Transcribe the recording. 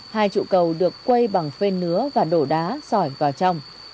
hai trụ cầu được quay bằng phe nứa và đổ đá sỏi vào trong